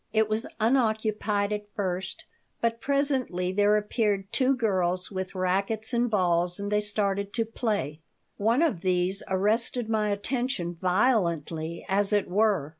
It was unoccupied at first, but presently there appeared two girls with rackets and balls and they started to play. One of these arrested my attention violently, as it were.